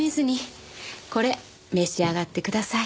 これ召し上がってください。